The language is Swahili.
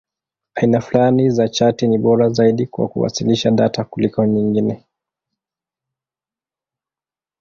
Aina fulani za chati ni bora zaidi kwa kuwasilisha data kuliko nyingine.